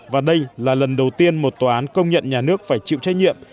và đây là lần đầu tiên một tòa án công nhận nhà nước phải chịu trách nhiệm